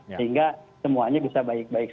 sehingga semuanya bisa baik baik